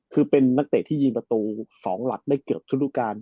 คือเป็นนักเตะที่ยิงประตู๒หลักได้เกือบทุกรูปการ